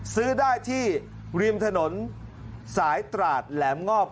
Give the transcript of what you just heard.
ซื้อได้ที่ริมถนนสายตราดแหลมงอบ